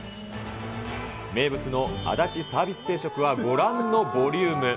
名物のあだちサービス定食はご覧のボリューム。